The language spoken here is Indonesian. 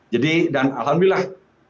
jadi dan alhamdulillah